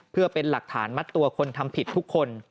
เพื่อเป็นหลักฐานมัดตัวคนทำผิดทุกคน